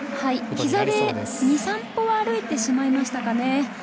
膝で２３歩、歩いてしまいましたかね。